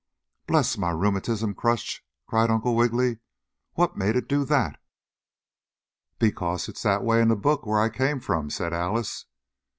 "Bless my rheumatism crutch!" cried Uncle Wiggily. "What made it do that?" "Because it's that way in the book where I came from," said Alice.